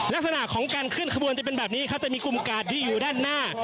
ลักษณะของการเคลื่อนขบวนจะเป็นแบบนี้ครับจะมีกลุ่มกาดที่อยู่ด้านหน้า